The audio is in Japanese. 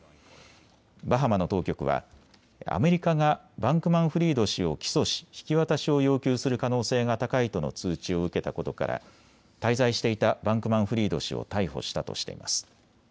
バハマの当局はアメリカがバンクマンフリード氏を起訴し引き渡しを要求する可能性が高いとの通知を受けたことから滞在していたバンクマンフリード氏を逮捕したとしています。